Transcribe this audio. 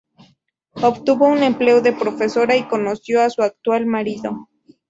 Obtuvo un empleo de profesora y conoció a su actual marido.